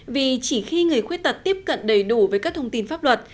vì chỉ khi người khuyết tật tiếp cận đầy đủ với các thông tin pháp luật